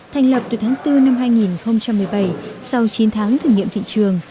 thành lập từ tháng bốn năm hai nghìn một mươi bảy sau chín tháng thử nghiệm thị trường